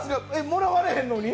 もらわれへんのに？